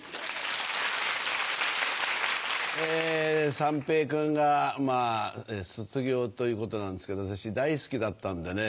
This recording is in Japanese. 三平君がまぁ卒業ということなんですけど私大好きだったんでね。